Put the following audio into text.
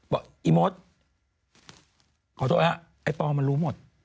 บอกอีโมสขอโทษแล้วไอ้ปอมันรู้หมด